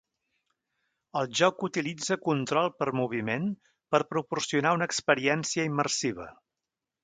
El joc utilitza control per moviment per proporcionar una experiència immersiva.